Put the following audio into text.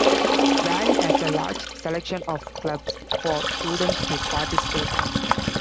Valley has a large selection of clubs for students to participate in.